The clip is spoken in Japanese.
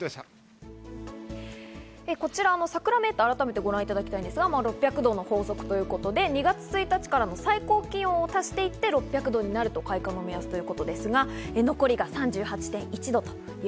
こちら桜メーターを改めてご覧いただきたいんですが、６００度の法則ということで２月１日からの最高気温を足していって６００度になると開花の目安ということですが、残り３８．１度。